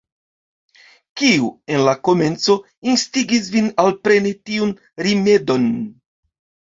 Kiu, en la komenco, instigis vin alpreni tiun rimedon?